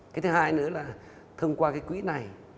cái thứ hai nữa là thông qua cái quỹ này